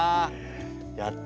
やった！